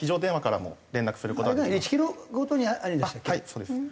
そうです。